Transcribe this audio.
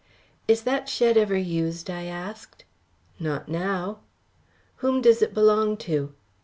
"Is that shed ever used?" I asked. "Not now." "Whom does it belong to?"